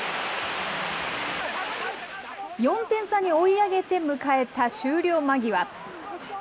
４点差に追い上げて迎えた終了間際。